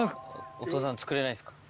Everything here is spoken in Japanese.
お父さん作れないですか？